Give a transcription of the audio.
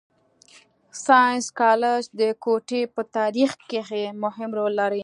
ساینس کالج د کوټي په تارېخ کښي مهم رول لري.